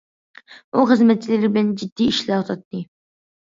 ئۇ خىزمەتچىلىرى بىلەن جىددىي ئىشلەۋاتاتتى.